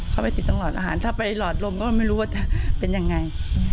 เข้าไปติดตั้งหลอดอาหารถ้าไปหลอดลมก็ไม่รู้ว่าจะเป็นยังไง